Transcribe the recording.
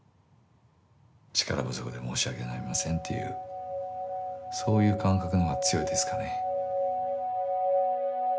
力不足で申し訳ございませんっていうそういう感覚の方が強いですかね。